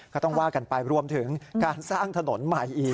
ก็ต้องว่ากันไปรวมถึงการสร้างถนนใหม่อีก